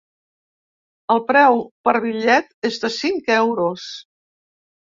El preu per bitllet és de cinc euros.